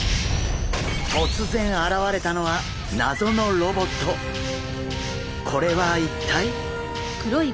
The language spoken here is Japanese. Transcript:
突然現れたのはこれは一体？